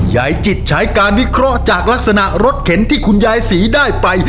ยายจิตใช้การวิเคราะห์จากลักษณะรถเข็นที่คุณยายศรีได้ไป